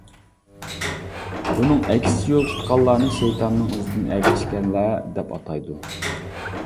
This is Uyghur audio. بۇنىڭ ئەكسىچە يول تۇتقانلارنى «شەيتاننىڭ ئىزىدىن ئەگەشكەنلەر» دەپ ئاتايدۇ.